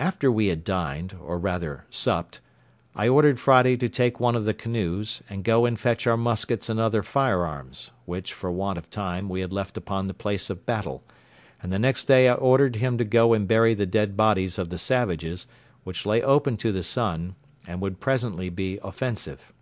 After we had dined, or rather supped, I ordered Friday to take one of the canoes, and go and fetch our muskets and other firearms, which, for want of time, we had left upon the place of battle; and the next day I ordered him to go and bury the dead bodies of the savages, which lay open to the sun, and would presently be offensive.